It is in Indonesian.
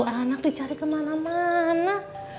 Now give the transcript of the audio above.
anak dicari kemana mana